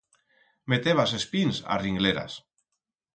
Metebas es pins a ringleras.